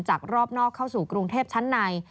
จากรอบนอกเข้าสู่กรุงเทพชั้นใน